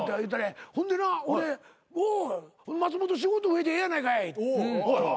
ほんでな俺お松本仕事増えてええやないかい。